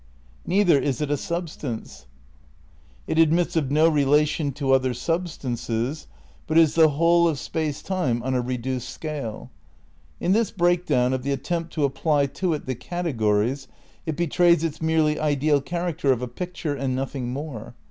... Neither is it a substance ... it admits of no relation to other substances, but is the whole of Space Time on a reduced scale. In this break down of the attempt to apply to it the categories ... it betrays its merely ideal character of a pic ture and nothing more.